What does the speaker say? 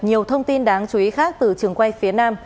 nhiều thông tin đáng chú ý khác từ trường quay phía nam